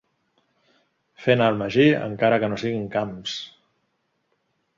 Fer anar el magí, encara que no sigui en Camps.